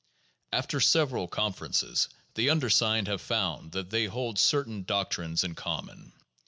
After several conferences the undersigned have found that they hold certain doctrines in common.